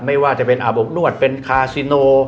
ไม่ว่าจะเป็นอาบอบนวดเป็นคาซิโน